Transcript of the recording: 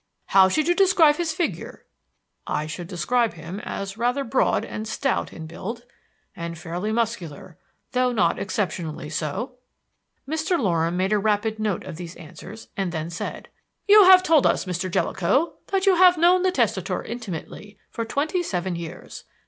"How should you describe his figure?" "I should describe him as rather broad and stout in build, and fairly muscular, though not exceptionally so." Mr. Loram made a rapid note of these answers and then said: "You have told us, Mr. Jellicoe, that you have known the testator intimately for twenty seven years.